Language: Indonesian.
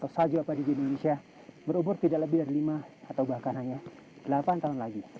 salju apa di indonesia berumur tidak lebih dari lima atau bahkan hanya delapan tahun lagi